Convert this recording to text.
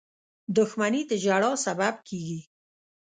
• دښمني د ژړا سبب کېږي.